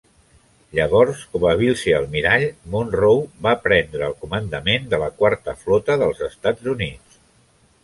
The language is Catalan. Llavors, com a vicealmirall, Munroe va prendre el comandament de la Quarta Flota dels Estats Units.